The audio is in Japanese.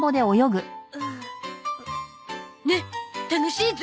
ねえ楽しいゾ！